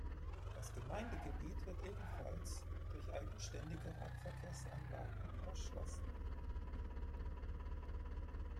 Das Gemeindegebiet wird ebenfalls durch eigenständige Radverkehrsanlagen erschlossen.